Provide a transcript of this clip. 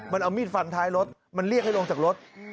มันเอามีดฟันท้ายรถมันเรียกให้ลงจากรถ